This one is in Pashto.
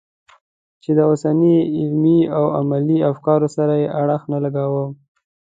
چې د اوسني علمي او عملي افکارو سره یې اړخ نه لګاوه.